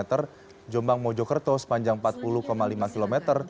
ter jombang mojokerto sepanjang empat puluh lima km